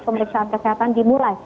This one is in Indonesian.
pemeriksaan kesehatan dimulai